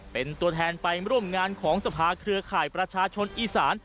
เป็นตัวแทนไปร่วมงานของสภาเครือข่ายประชาชนอีสาน